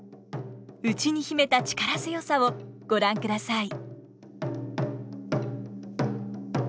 内に秘めた力強さをご覧ください。